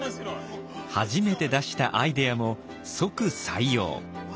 初めて出したアイデアも即採用。